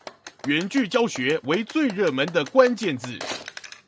遠距教學為最熱門的關鍵字